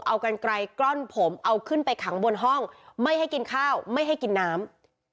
เอากันไกลกล้อนผมเอาขึ้นไปขังบนห้องไม่ให้กินข้าวไม่ให้กินน้ำ